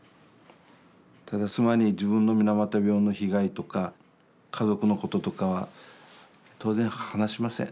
ただ妻に自分の水俣病の被害とか家族のこととかは当然話しません。